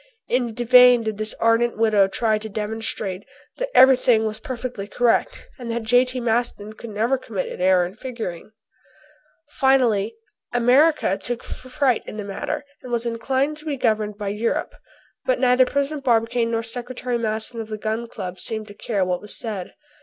In vain did this ardent widow try to demonstrate that everything was perfectly correct, and that J.T. Maston could never commit an error in figuring. Finally America took fright in the matter and was inclined to be governed by Europe. But neither President Barbicane nor Secretary Maston of the Gun Club seemed to care what was said.